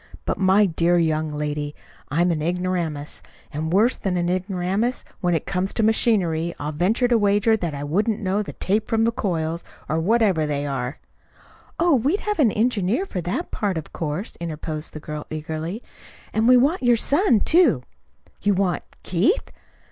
But, my dear young lady, I'm an ignoramus, and worse than an ignoramus, when it comes to machinery. I'll venture to wager that I wouldn't know the tape from the coils or whatever they are." "Oh, we'd have an engineer for that part, of course," interposed the girl eagerly. "And we want your son, too." "You want Keith!